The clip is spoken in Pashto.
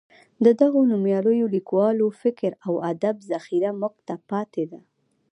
د دغو نومیالیو لیکوالو فکر او ادب ذخیره موږ ته پاتې ده.